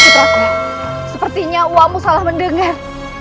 ketutrakku sepertinya uwa mu salah mendengar